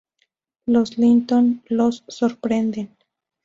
Los Linton los sorprenden.